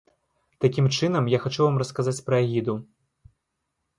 Такім чынам, я хачу вам расказаць пра агіду.